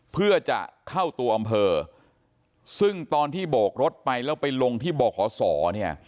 เพื่อจะเข้าตัวอำเภอซึ่งตอนที่โบกรถไปแล้วไปลงที่บขศเนี่ย